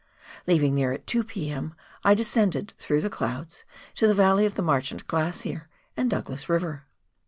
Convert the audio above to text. Leaving there at 2 p.m., I descended through the clouds to the valley of the Marchant Glacier and Douglas E,iyer.